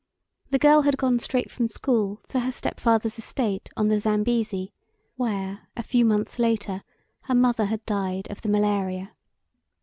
The girl had gone straight from school to her step father's estate on the Zambesi, where, a few months later, her mother had died of the malaria.